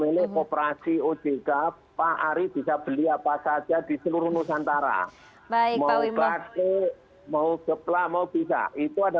ini sudah bisa jual apa saja